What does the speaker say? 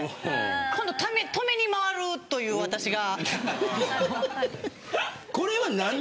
今度止めにまわるという私が。